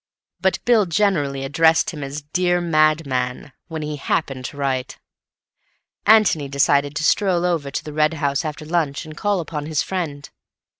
But Bill generally addressed him as "Dear Madman" when he happened to write. Antony decided to stroll over to the Red House after lunch and call upon his friend.